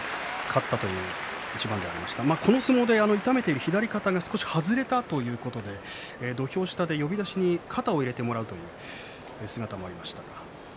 この相撲で痛めている左肩は少し外れたということで土俵下で呼出しに肩を入れてもらうという姿もありました。